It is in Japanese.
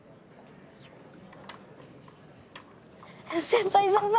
先輩先輩！